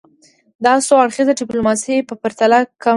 دا د څو اړخیزه ډیپلوماسي په پرتله کمه یادیږي